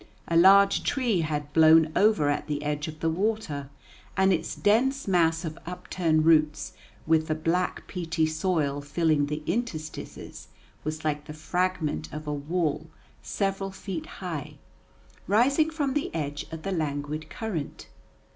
A large tree had blown over at the edge of the water, and its dense mass of upturned roots, with the black, peaty soil filling the interstices, was like the fragment of a wall several feet high, rising from the edge of the languid current.